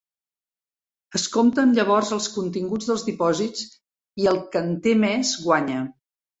Es compten llavors els continguts dels dipòsits i, el que en té més, guanya.